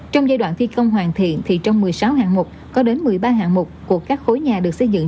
trong giai đoạn thi công hoàn thiện thì trong một mươi sáu hạng mục có đến một mươi ba hạng mục của các khối nhà được xây dựng